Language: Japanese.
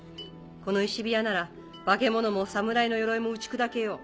この石火矢なら化け物も侍の鎧も撃ち砕けよう。